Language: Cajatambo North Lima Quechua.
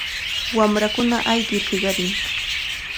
Wamrakuna ayqir hiqarin.